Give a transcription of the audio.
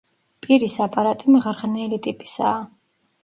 პირის აპარატი მღრღნელი ტიპისაა.